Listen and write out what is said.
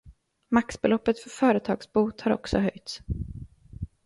Maxbeloppet för företagsbot har också höjts.